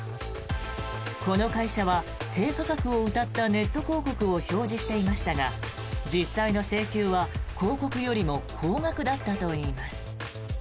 この会社は低価格をうたったネット広告を表示していましたが実際の請求は広告よりも高額だったといいます。